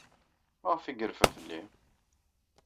Maɣef ay yerfa fell-i?